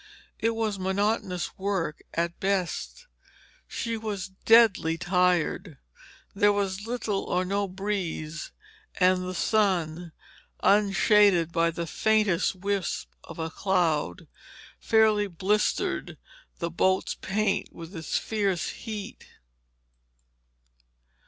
It was monotonous work at best. She was deadly tired. There was little or no breeze and the sun, unshaded by the faintest wisp of cloud, fairly blistered the boat's paint with its fierce heat.